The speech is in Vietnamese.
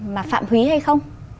mà phạm húy hay không